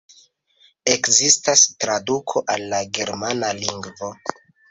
Ekzistas traduko al la germana lingvo.